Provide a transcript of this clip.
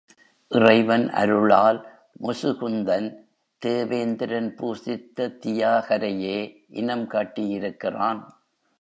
இறைவன் அருளால் முசுகுந்தன் தேவேந்திரன் பூசித்த தியாகரையே இனம் காட்டியிருக்கிறான்.